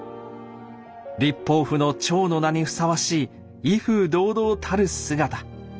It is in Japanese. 立法府の長の名にふさわしい威風堂々たる姿。